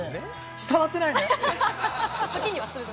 伝わってないんだ。